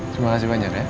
terima kasih banyak ya